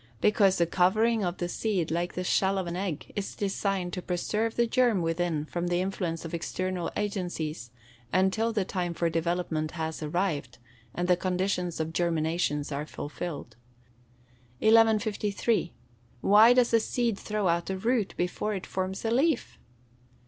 _ Because the covering of the seed, like the shell of an egg, is designed to preserve the germ within from the influence of external agencies, until the time for development has arrived, and the conditions of germination are fulfilled. 1153. _Why does a seed throw out a root, before it forms a leaf?